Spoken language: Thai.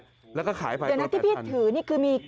เดี๋ยวนะที่พี่ถือนี่คือมี